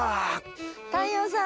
太陽さん。